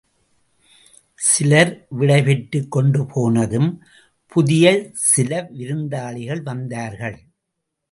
சிலர் விடை பெற்றுக் கொண்டு போனதும் புதிய சில விருந்தாளிகள் வந்தார்கள்.